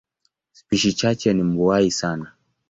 Spishi chache ni mbuai hasa.